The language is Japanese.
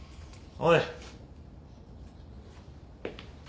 おい！